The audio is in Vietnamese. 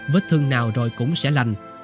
với thương nào rồi cũng sẽ lành